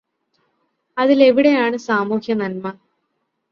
അതിലെവിടെയാണ് സാമൂഹ്യനന്മ